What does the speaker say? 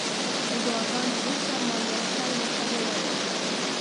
له دعاګانو وروسته ما یو شی ورته وویل.